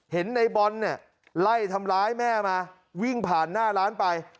ในบอลเนี่ยไล่ทำร้ายแม่มาวิ่งผ่านหน้าร้านไป